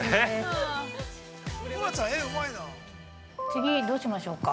◆次は、どうしましょうか。